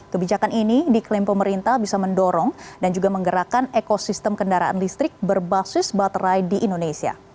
kebijakan ini diklaim pemerintah bisa mendorong dan juga menggerakkan ekosistem kendaraan listrik berbasis baterai di indonesia